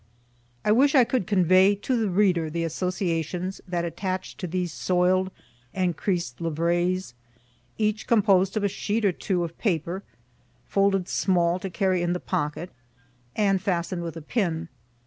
I wish I could convey to the reader the associations that attach to these soil'd and creas'd livraisons, each composed of a sheet or two of paper, folded small to carry in the pocket, and fasten'd with a pin.